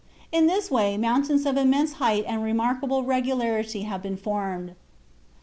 In this way mountains of immense height and remarkable regularity have been formed.